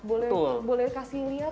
boleh kasih lihat